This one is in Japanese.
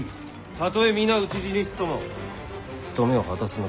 たとえ皆討ち死にすとも務めを果たすのが武士だ。